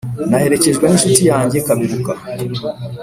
naherekejwe n’inshuti yanjye kaberuka